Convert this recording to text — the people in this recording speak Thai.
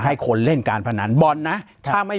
ปากกับภาคภูมิ